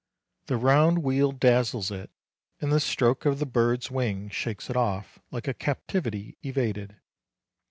The round wheel dazzles it, and the stroke of the bird's wing shakes it off like a captivity evaded.